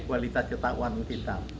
kualitas ketakuan kita